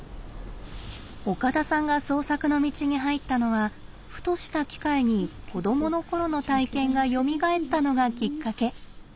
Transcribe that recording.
岡田さんが創作の道に入ったのはふとした機会に子どもの頃の体験がよみがえったのがきっかけ。